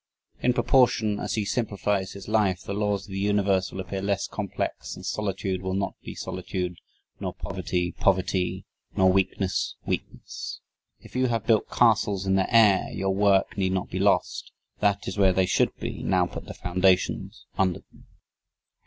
"In proportion as he simplifies his life the laws of the universe will appear less complex and solitude will not be solitude, nor poverty poverty, nor weakness weakness. If you have built castles in the air your work need not be lost; that is where they should be, now put the foundations under them."